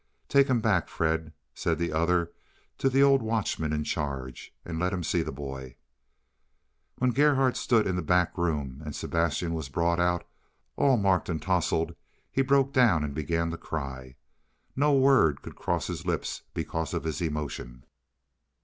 "Take him back, Fred," said the other to the old watchman in charge, "and let him see the boy." When Gerhardt stood in the back room, and Sebastian was brought out all marked and tousled, he broke down and began to cry. No word could cross his lips because of his emotion.